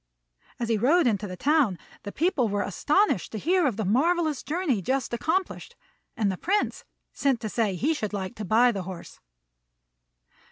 As he rode into the town, the people were astonished to hear of the marvellous journey just accomplished, and the Prince sent to say he should like to buy the horse.